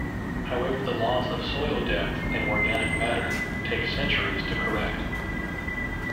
However, the loss of soil depth and organic matter takes centuries to correct.